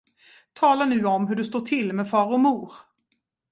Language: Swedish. Tala nu om hur det står till med far och mor!